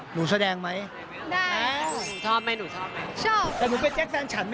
หนูแสดงไหม